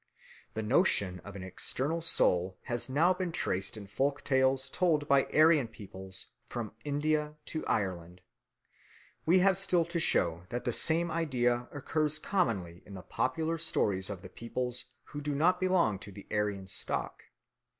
The notion of an external soul has now been traced in folk tales told by Aryan peoples from India to Ireland. We have still to show that the same idea occurs commonly in the popular stories of peoples who do not belong to the Aryan stock.